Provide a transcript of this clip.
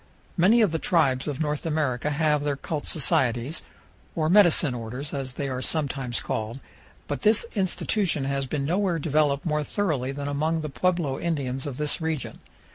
Many of the tribes of North America have their cult societies, or "medicine orders," as they are sometimes called, but this institution has been nowhere developed more thoroughly than among the pueblo Indians of this region.